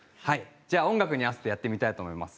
音楽に合わせてやってみたいと思います。